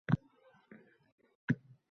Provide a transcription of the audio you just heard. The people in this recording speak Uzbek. Gudak choging chaynab bergan har yutumdan